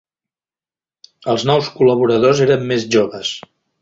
Els nous col·laboradors eren més joves.